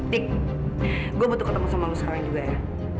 dik gue butuh ketemu sama lo sekarang juga ya